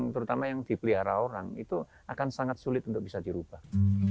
terutama yang dipelihara orang itu akan sangat sulit untuk bisa dirubah